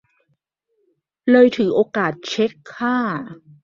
เลยถือโอกาสเช็คค่า